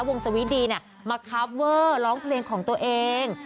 วงซีรีส์ดีมาคาเวอร์ร้องเพลงของตัวเอง